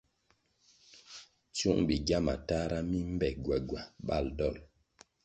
Tsyung bigya matahra mi mbe gwagwa bal dol.